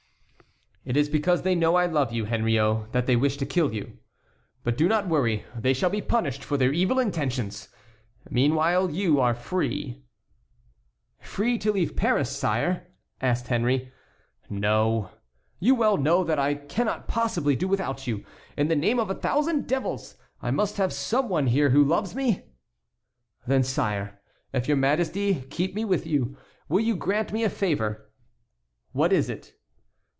"It is because they know I love you, Henriot, that they wish to kill you. But do not worry. They shall be punished for their evil intentions. Meanwhile you are free." "Free to leave Paris, sire?" asked Henry. "No; you well know that I cannot possibly do without you. In the name of a thousand devils! I must have some one here who loves me." "Then, sire, if your Majesty keep me with you, will you grant me a favor"— "What is it?"